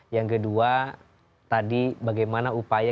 yang kedua tadi bagaimana upaya